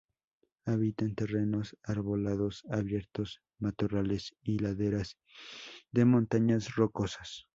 Habita en terrenos arbolados abiertos, matorrales y laderas de montañas rocosas.